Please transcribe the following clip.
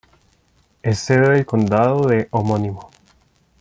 Es sede del condado de homónimo.